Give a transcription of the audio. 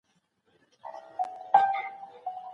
دوی به خندل .